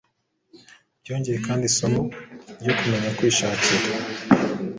Byongeye kandi isomo ryo kumenya kwishakira